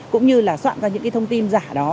cũng như là soạn ra những cái thông tin giả đó